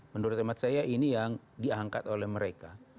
menurut teman saya ini yang diangkat oleh mereka